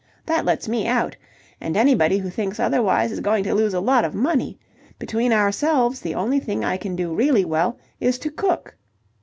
That lets me out. And anybody who thinks otherwise is going to lose a lot of money. Between ourselves the only thing I can do really well is to cook..."